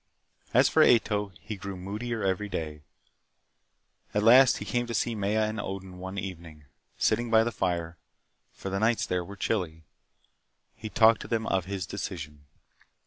As for Ato, he grew moodier every day. At last he came to see Maya and Odin one evening. Sitting by the fire for the nights there were chilly he talked to them of his decision.